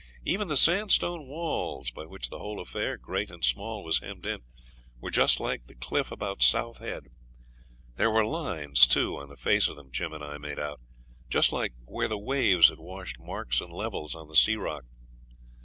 Even the sandstone walls, by which the whole affair, great and small, was hemmed in, were just like the cliff about South Head; there were lines, too, on the face of them, Jim and I made out, just like where the waves had washed marks and levels on the sea rock.